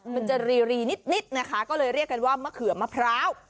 มันจะรีนิดนะคะก็เลยเรียกกันว่ามะเขือมะพร้าว